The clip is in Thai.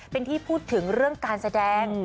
เป็นที่พูดถึงเรื่องการแสดง